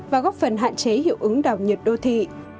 và góp phần hạn chế hiệu ứng đảo nhiệt đô thị